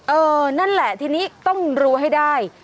เออนั่นแหละทีนี้ต้องรู้ให้ได้